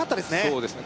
そうですね